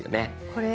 これ？